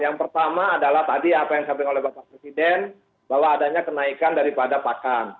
yang pertama adalah tadi apa yang disampaikan oleh bapak presiden bahwa adanya kenaikan daripada pakan